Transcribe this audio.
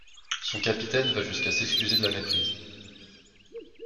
Son capitaine va jusqu'à s'excuser de la méprise.